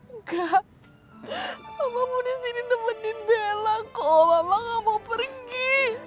enggak mama mau disini nemenin bella kok mama gak mau pergi